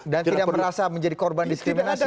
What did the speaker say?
dan tidak merasa menjadi korban diskriminasi